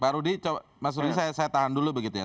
pak rudi mas rudy saya tahan dulu begitu ya